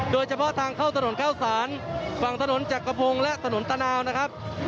โดยเฉพาะทางเข้าถนนข้าวสารฝั่งถนนจักรพงศ์และถนนตานาวนะครับ